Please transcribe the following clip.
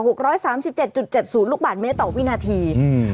ร้อยสามสิบเจ็ดจุดเจ็ดศูนย์ลูกบาทเมตรต่อวินาทีอืม